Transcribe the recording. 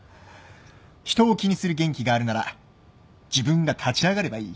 人を気にする元気があるなら自分が立ち上がればいい。